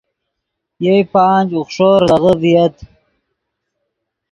یئے پانچ، اوخݰو زیزغے ڤییت